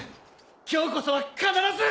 今日こそは必ず！